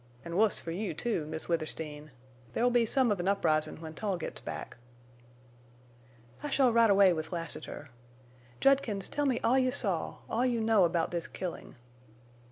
An' wuss fer you, too, Miss Withersteen. There'll be some of an uprisin' when Tull gits back." "I shall ride away with Lassiter. Judkins, tell me all you saw—all you know about this killing."